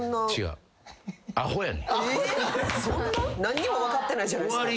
何にも分かってないじゃないっすか。